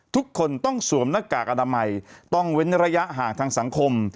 ทุกคนต้องสวมหน้ากากอนามัยต้องเว้นระยะห่างทางสังคม